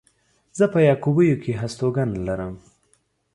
زه په يعقوبيو کې هستوګنه لرم.